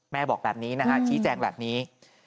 แม่บอกแบบนี้นะฮะชี้แจงแบบนี้